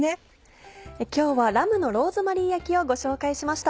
今日はラムのローズマリー焼きをご紹介しました。